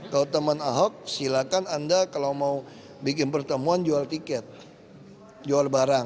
kalau teman ahok silakan anda kalau mau bikin pertemuan jual tiket jual barang